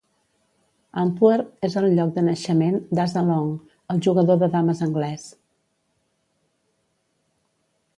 Antwerp és el lloc de naixement d'Asa Long, el jugador de dames anglès.